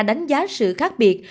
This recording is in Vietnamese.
đánh giá sự khác biệt